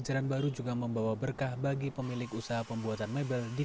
jadi nanti kalau sudah mendekati masuk dua hari menjelang masuk itu biasanya memperudak